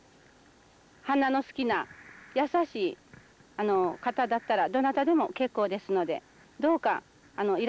花の好きな優しい方だったらどなたでも結構ですのでどうかいらして下さいませんか。